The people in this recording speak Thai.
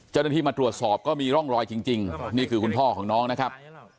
เจ้าหน้าที่มาตรวจสอบก็มีร่องรอยจริงนี่คือคุณพ่อของน้องนะครับ